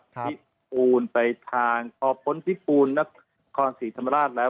พิปูนไปทางพอพ้นพิปูนนครศรีธรรมราชแล้ว